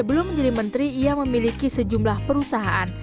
sebelum menjadi menteri ia memiliki sejumlah perusahaan